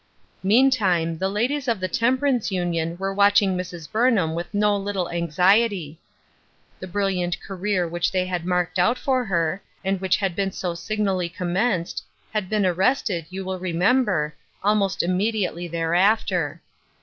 Meantime, the ladies of the Temperance Union were watching Mrs. Burnham with no little anxiety. The brilliant career which they had marked out for her, and which had been so signally com menced, had been arrested, you will remember, almost immediately thereafter.